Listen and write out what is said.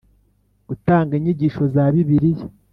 Gutanga inyigisho za Bibiliya